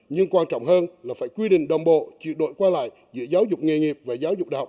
nhưng quan trọng hơn là phải quy định đồng bộ chuyển đổi qua lại giữa giáo dục nghề nghiệp và giáo dục đại học